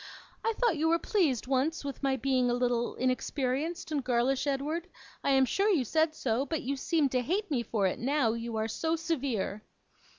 I thought you were pleased, once, with my being a little inexperienced and girlish, Edward I am sure you said so but you seem to hate me for it now, you are so severe.